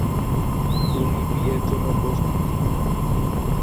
তুমি বিয়ের জন্য প্রস্তুতি নাও।